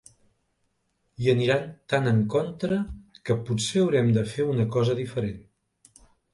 Hi aniran tan en contra que potser haurem de fer una cosa diferent.